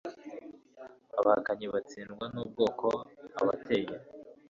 abahakanyi batsindwa n'ubwoba abateye